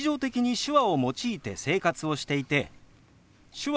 「手話」。